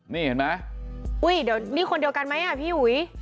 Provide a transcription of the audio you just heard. นี่เห็นไหมอุ้ยเดี๋ยวนี่คนเดียวกันไหมอ่ะพี่หุย